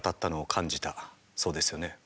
そうですよね？